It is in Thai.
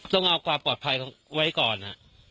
ต้องเอาความปลอดภัยไว้ก่อน